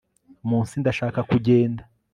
munsi Ndashaka kugenda